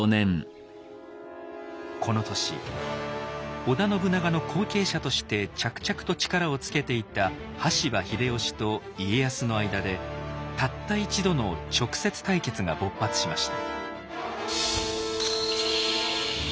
この年織田信長の後継者として着々と力をつけていた羽柴秀吉と家康の間でたった一度の直接対決が勃発しました。